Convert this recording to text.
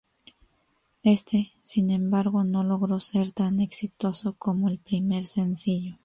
Éste, sin embargo, no logró ser tan exitoso como el primer sencillo.